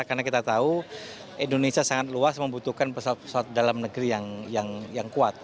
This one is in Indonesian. karena kita tahu indonesia sangat luas membutuhkan pesawat pesawat dalam negeri yang kuat